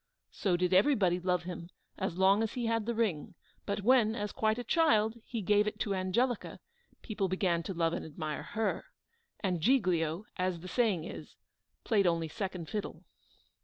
So did everybody love him as long as he had the ring; but then, as quite a child, he gave it to Angelica, people began to love and admire her; and Giglio, as the saying is, played only second fiddle.